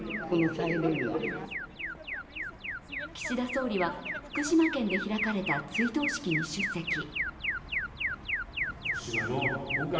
岸田総理は福島県で開かれた追悼式に出席。